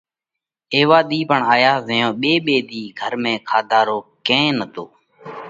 ايوا ۮِي پڻ آيا زئيون ٻي ٻي ۮِي گھر ۾ کاڌا رو ڪئين نتو،